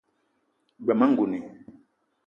G-beu ma ngouni